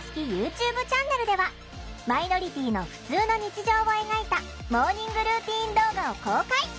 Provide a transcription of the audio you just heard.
チャンネルではマイノリティーのふつうの日常を描いたモーニングルーティン動画を公開！